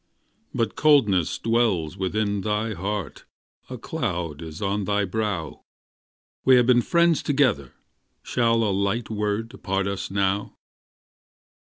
But coldness dwells within thy heart, A cloud is on thy brow; We have been friends together, Shall a light word part us now?